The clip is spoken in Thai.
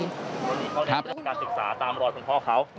วันนี้เขาเรียนเรื่องการศึกษาตามรอยคุณพ่อเขา